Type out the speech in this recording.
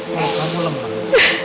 kalau kamu lemah